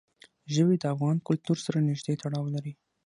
ژبې د افغان کلتور سره نږدې تړاو لري.